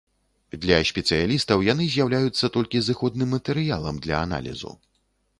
Для спецыялістаў яны з'яўляюцца толькі зыходным матэрыялам для аналізу.